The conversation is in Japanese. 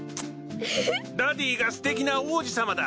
ダディがすてきな王子様だ。